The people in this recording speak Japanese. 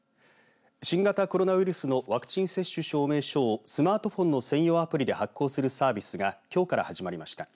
新型コロナウイルスのワクチン接種証明書をスマートフォンの専用アプリで発行するサービスがきょうから始まりました。